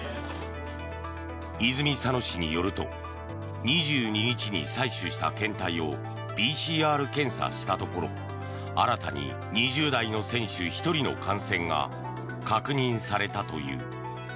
泉佐野市によると２２日に採取した検体をＰＣＲ検査したところ新たに２０代の選手１人の感染が確認されたという。